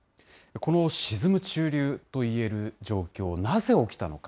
この沈む中流といえる状況、なぜ起きたのか。